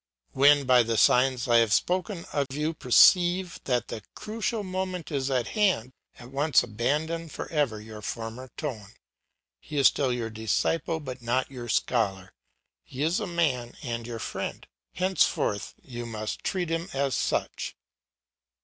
When by the signs I have spoken of you perceive that the critical moment is at hand, at once abandon for ever your former tone. He is still your disciple, but not your scholar. He is a man and your friend; henceforth you must treat him as such.